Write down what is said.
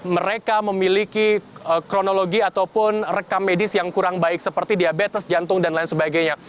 mereka memiliki kronologi ataupun rekam medis yang kurang baik seperti diabetes jantung dan lain sebagainya